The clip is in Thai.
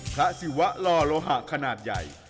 ศิวะลอโลหะขนาดใหญ่